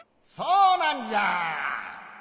そうなんじゃ！